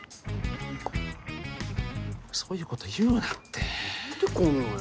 そういうこと言うなって何で来んのや？